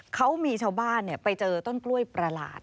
เขามีชาวบ้านไปเจอต้นกล้วยประหลาด